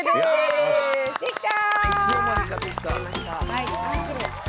できた！